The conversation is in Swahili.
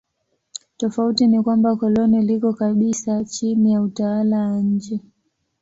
Tofauti ni kwamba koloni liko kabisa chini ya utawala wa nje.